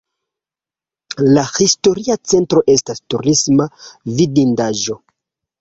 La historia centro estas turisma vidindaĵo.